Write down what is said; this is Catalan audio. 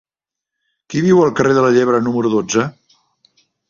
Qui viu al carrer de la Llebre número dotze?